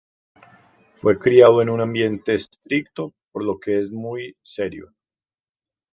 Fue criado en un ambiente estricto, por lo que es muy serio.